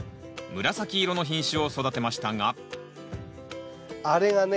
紫色の品種を育てましたがあれがね。